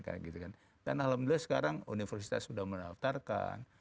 kan alhamdulillah sekarang universitas sudah mendaftarkan